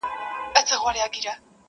زاړه خلک چوپتيا خوښوي ډېر.